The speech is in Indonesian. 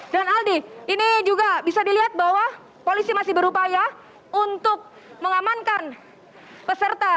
dan aldi ini juga bisa dilihat bahwa polisi masih berupaya untuk mengamankan peserta